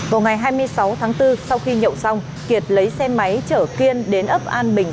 vào ngày hai mươi sáu tháng bốn sau khi nhậu xong kiệt lấy xe máy chở kiên đến ấp an bình